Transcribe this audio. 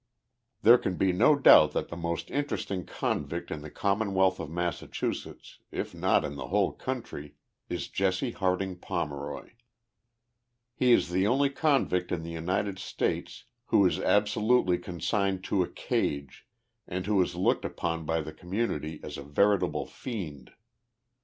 There can be no doubt that the most interesting convict in the Commonwealth of Massachusetts, if not in the whole country, is Jesse Harding Pomeroy. He is the only convict in the United States who is absolutely consigned to a cage, and who is looked upon bj' the community as a veritable fiend.